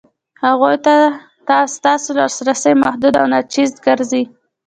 هغو ته ستاسو لاسرسی محدود او ناچیز ګرځي.